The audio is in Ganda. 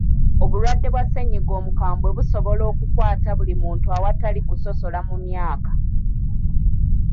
Obulwadde bwa ssennyiga omukambwe busobola okukwata buli muntu awatali kusosola mu myaka.